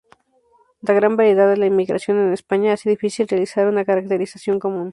La gran variedad de la inmigración en España hace difícil realizar una caracterización común.